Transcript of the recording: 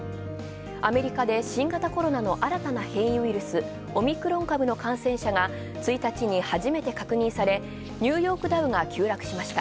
アメリカで新型コロナの新たな変異ウイルス、オミクロン株の感染者が１日に初めてニューヨークダウが急落しました。